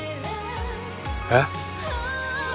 えっ？